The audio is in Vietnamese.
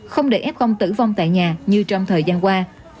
không để f tử vong tại nhà như trong thời gian qua